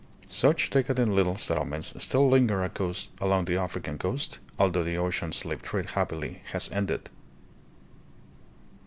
Such decadent little settlements still linger along the African coast, although the ocean slave trade happily has ended.